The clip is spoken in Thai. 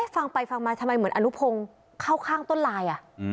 ฟังไปฟังมาทำไมเหมือนอนุพงศ์เข้าข้างต้นลาย